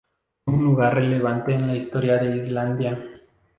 Fue un lugar relevante en la historia de Islandia.